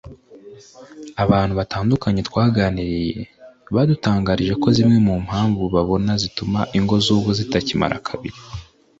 Abantu batandukanye twaganiriye badutangarije ko zimwe mu mpamvu babona zituma ingo z’ubu zitakimara kabiri